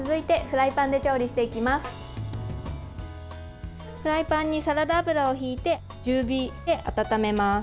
フライパンにサラダ油をひいて中火で温めます。